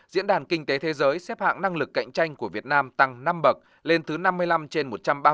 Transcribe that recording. diễn đàn kinh tế thế giới xếp hạng năng lực cạnh tranh của việt nam tăng năm bậc lên thứ năm mươi năm trên một trăm ba mươi